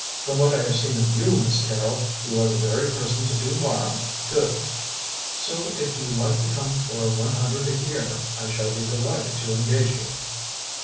From what I have seen of you, Miss Carrol, you are the very person to do Mara good. So if you like to come for one hundred a year, I shall be delighted to engage you."